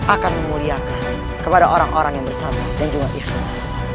akan memuliakan kepada orang orang yang bersama dan juga ikhlas